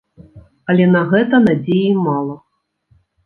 Але на гэта надзеі мала.